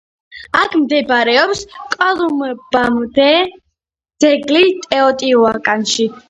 აქ მდებარეობს კოლუმბამდელი ძეგლი ტეოტიუაკანი.